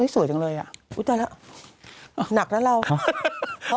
สวยจังเลยอะหนักอะรอก็